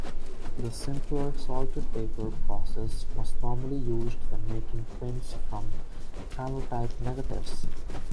The simpler salted paper process was normally used when making prints from calotype negatives.